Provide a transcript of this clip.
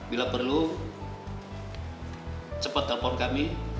bila perlu cepat telepon kami